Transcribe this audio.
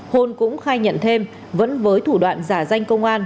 hôn cũng khai nhận thêm vẫn với thủ đoạn giả danh công an